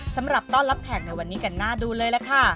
สำหรับต้อนรับแขกในวันนี้กันน่าดูเลยล่ะค่ะ